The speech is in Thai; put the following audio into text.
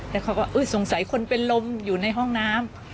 แล้วเขาก็สงสัยคนเป็นลมอยู่ในห้องน้ำ